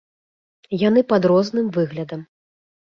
Яны пад розным выглядам.